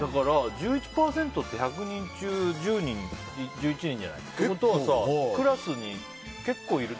１１％って１００人中１１人じゃん。ってことはさ、クラスに結構いる。